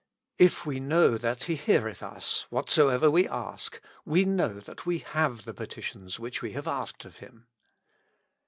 " If we know that He heareth us, whatsoever we ask, we know that we have the petitions which we have asked of Him."